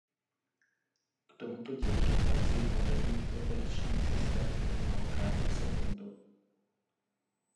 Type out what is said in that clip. K tomuto ději dochází v moderních operačních systémech mnohokrát za sekundu.